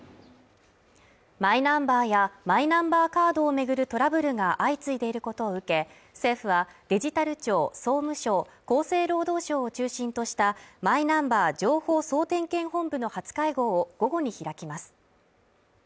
マイナンバーやマイナンバーカードを巡るトラブルが相次いでいることを受け、政府はデジタル庁、総務省、厚生労働省を中心としたマイナンバー情報総点検本部の初会合を午後に開きます。